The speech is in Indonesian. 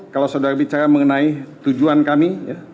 kalau saudara bicara mengenai tujuan kami